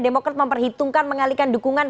demokrat memperhitungkan mengalihkan dukungan